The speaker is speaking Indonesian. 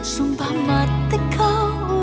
sumpah mati kau